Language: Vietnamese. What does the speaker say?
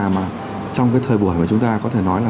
mà trong cái thời buổi mà chúng ta có thể nói là